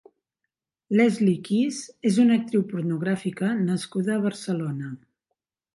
Lesly Kiss és una actriu pornogràfica nascuda a Barcelona.